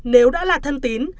nếu đã là thân tính